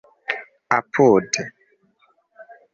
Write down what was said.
apude